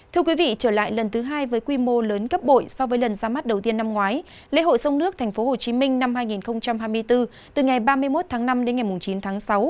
thưa quý vị trở lại lần thứ hai với quy mô lớn cấp bội so với lần ra mắt đầu tiên năm ngoái lễ hội sông nước tp hcm năm hai nghìn hai mươi bốn từ ngày ba mươi một tháng năm đến ngày chín tháng sáu